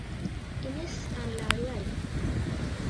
Innis and Laruelle.